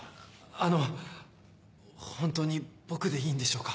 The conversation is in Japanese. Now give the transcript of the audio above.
あの本当に僕でいいんでしょうか？